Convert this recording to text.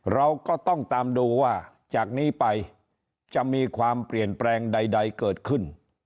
เราก็ต้องตามดูว่าจากนี้ไปจะมีความเปลี่ยนแปลงใดเกิดขึ้น